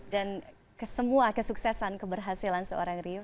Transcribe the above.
dan semua kesuksesan keberhasilan seorang rio